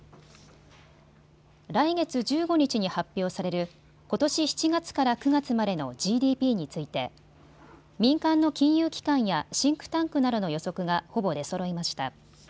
来月１５日に発表されることし７月から９月までのＧＤＰについて民間の金融機関やシンクタンクなどの予測がほぼ出そろいました。